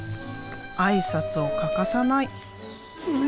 挨拶を欠かさない。